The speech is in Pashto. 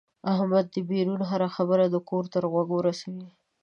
احمد دبیرون هره خبره د کور تر غوږه رسوي.